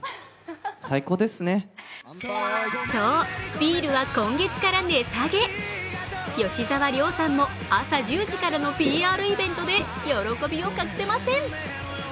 そう、ビールは今月から値下げ吉沢亮さんも朝１０時からのＰＲイベントで喜びを隠せません。